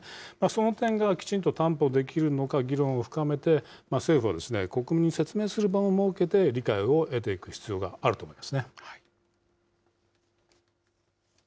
その点がきちんと担保できるのか、議論を深めて、政府は国民に説明する場を設けて、理解を得ていく必要があると思いますね。